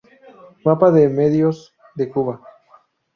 Mapa de Medios de Cuba